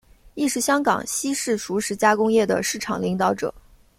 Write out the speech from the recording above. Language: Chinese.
亦是香港西式熟食加工业的市场领导者。